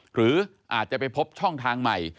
หรืออาจจะไปพบช่องทางใหม่